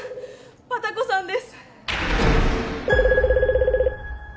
バタコさんです。